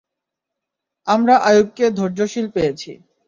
আমরা আইয়ুবকে ধৈর্যশীল পেয়েছি।